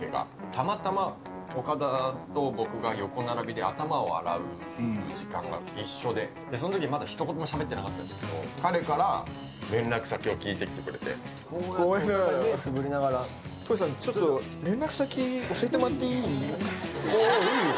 たまたま岡田と僕が横並びで頭を洗う時間が一緒で、そのとき、まだひと言もしゃべってなかったんですけど、こういうふうにやりながら、桃李さん、ちょっと連絡先教えてもらっていい？みたいな。